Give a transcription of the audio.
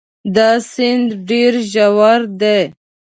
دا سیند ډېر ژور دی.